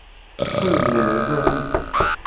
睡美人概念股